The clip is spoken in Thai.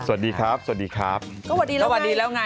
สวัสดีครับสวัสดีครับสวัสดีแล้วสวัสดีแล้วไง